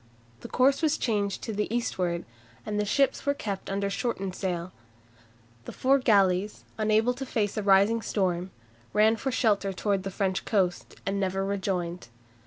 The course was changed to the eastward, and the ships were kept under shortened sail. The four galleys, unable to face the rising storm, ran for shelter towards the French coast, and never rejoined.